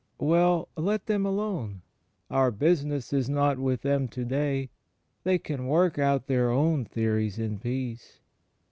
Well! Let them alone! Our business is not with them to day. They can work out their own theories in peace.